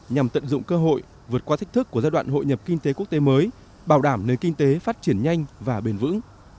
nhằm tận dụng cơ hội vượt qua thách thức của giai đoạn hội nhập kinh tế quốc tế mới bảo đảm nền kinh tế phát triển nhanh và bền vững